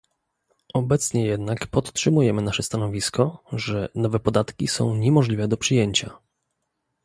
Obecnie jednak podtrzymujemy nasze stanowisko, że nowe podatki są niemożliwe do przyjęcia